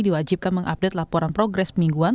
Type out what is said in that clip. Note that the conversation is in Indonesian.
diwajibkan mengupdate laporan progres mingguan